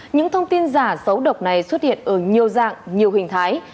những thông tin giả xấu độc này xuất hiện ở nhiều dạng nhiều hình thái